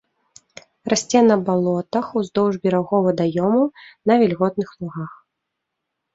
Расце на балотах, уздоўж берагоў вадаёмаў, на вільготных лугах.